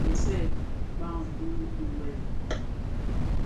Europa a ňyisè tsag bi duel.